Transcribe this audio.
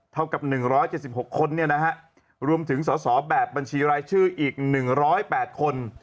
เท่ากับ๑๗๖คนรวมถึงสอสอแบบบัญชีรายชื่ออีก๑๐๘คน